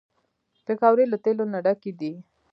پکورې له تیلو نه ډکې دي